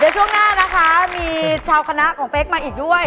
เดี๋ยวช่วงหน้านะคะมีชาวคณะของเป๊กมาอีกด้วย